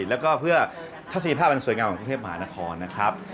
แล้วก็เพื่อทัศนีภาพอันสวยงามของกรุงเทพมหานครนะครับ